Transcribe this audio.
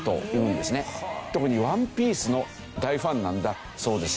特に『ＯＮＥＰＩＥＣＥ』の大ファンなんだそうですよ。